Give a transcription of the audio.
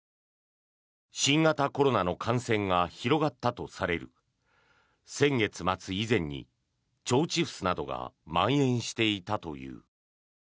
新型コロナの感染が広がったとされる先月末以前に、腸チフスなどがまん延していたという。